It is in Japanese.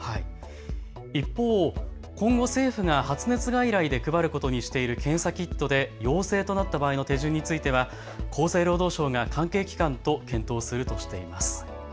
一方、今後、政府が発熱外来で配ることにしている検査キットで陽性となった場合の手順については厚生労働省が関係機関と検討するとしています。